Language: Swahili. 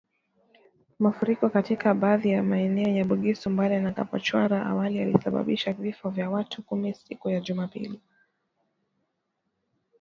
Mafuriko katika baadhi ya maeneo ya Bugisu Mbale na Kapchorwa awali yalisababisha vifo vya watu kumi siku ya Jumapili